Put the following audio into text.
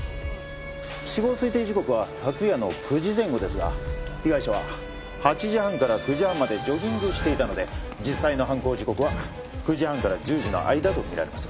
死亡推定時刻は昨夜の９時前後ですが被害者は８時半から９時半までジョギングしていたので実際の犯行時刻は９時半から１０時の間とみられます。